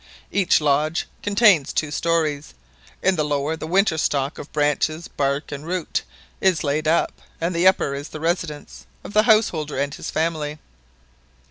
Each lodge contains two stories; in the lower the winter stock of branches, bark, and roots, is laid up, and the upper is the residence of the householder and his family."